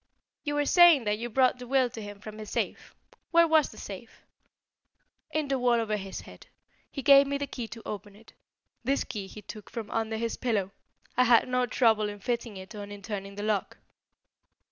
"You were saying that you brought the will to him from his safe. Where was the safe?" "In the wall over his head. He gave me the key to open it. This key he took from under his pillow. I had no trouble in fitting it or in turning the lock."